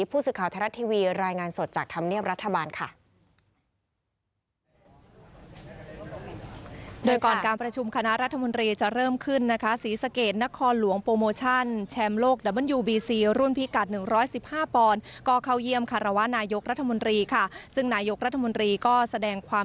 ผู้สื่อข่าวไทยรัฐทีวีรายงานสดจากธรรมเนียบรัฐบาลค่ะ